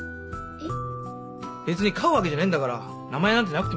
えっ？